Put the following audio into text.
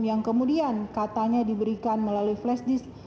yang kemudian katanya diberikan melalui flash disk